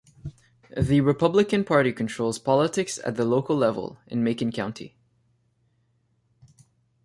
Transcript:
The Republican Party controls politics at the local level in Macon County.